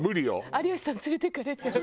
有吉さん連れていかれちゃう。